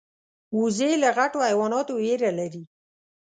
وزې له غټو حیواناتو ویره لري